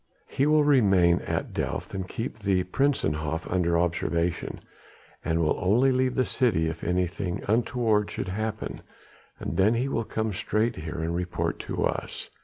He will remain at Delft and keep the Prinzenhof under observation: and will only leave the city if anything untoward should happen, and then he will come straight here and report to us.